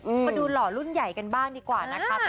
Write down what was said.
มาดูหล่อรุ่นใหญ่กันบ้างดีกว่านะคะ